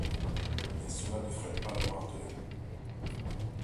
Mais cela ne freine pas leur ardeur.